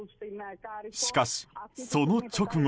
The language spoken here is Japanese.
しかし、その直後。